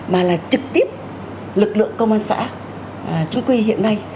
mà là trực tiếp lực lượng công an xã chính quy hiện nay